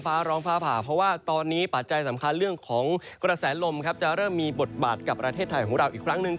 เพราะว่าตอนนี้ปัจจัยสำคัญเรื่องของกระแสลมจะเริ่มมีบทบาทกับประเทศไทยของเราอีกครั้งนึง